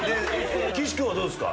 岸君はどうですか？